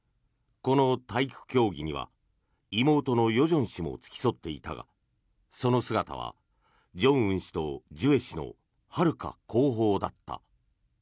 この体育競技には妹の与正氏も付き添っていたがその姿は正恩氏とジュエ氏のはるか後方だった。